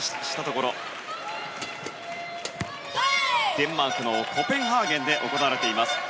デンマークのコペンハーゲンで行われています。